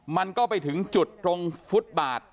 มันก็ไปถึงจุดตรงฟุตบาท